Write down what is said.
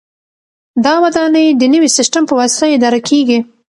دا ودانۍ د نوي سیسټم په واسطه اداره کیږي.